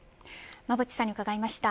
馬渕さんに伺いました。